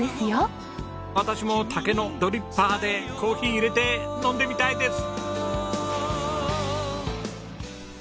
私も竹のドリッパーでコーヒー入れて飲んでみたいです！